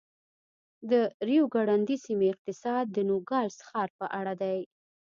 د ریو ګرنډي سیمې اقتصاد د نوګالس ښار په اړه دی.